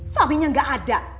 suaminya gak ada